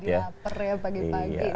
jadi lapar ya pagi pagi